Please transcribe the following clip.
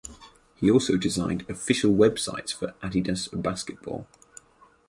He also designed official websites for Adidas Basketball.